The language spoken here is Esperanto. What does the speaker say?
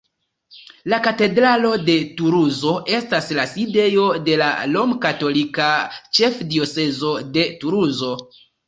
La katedralo de Tuluzo estas la sidejo de la Romkatolika Ĉefdiocezo de Tuluzo.